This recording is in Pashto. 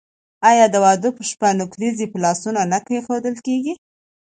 آیا د واده په شپه نکریزې په لاسونو نه کیښودل کیږي؟